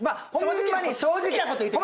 正直なこと言うてみ。